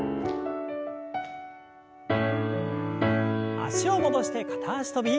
脚を戻して片脚跳び。